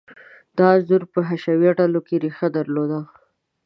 دا انځور په حشویه ډلو کې ریښه درلوده.